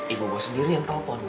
ibobos sendiri yang telepon